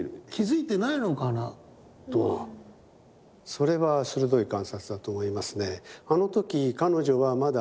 それは鋭い観察だと思いますね。